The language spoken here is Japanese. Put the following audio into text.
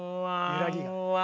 揺らぎが。